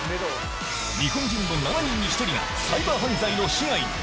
日本人の７人に１人がサイバー犯罪の被害に。